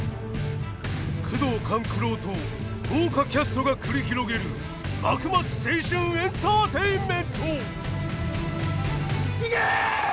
宮藤官九郎と豪華キャストが繰り広げる幕末青春エンターテインメント！